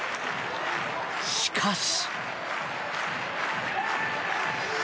しかし。